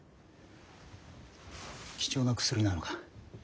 貴重な薬なのか？